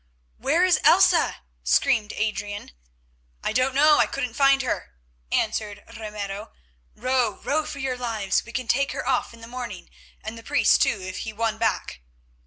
"Where is Elsa?" screamed Adrian. "I don't know. I couldn't find her," answered Ramiro. "Row, row for your lives! We can take her off in the morning, and the priest too, if he won back."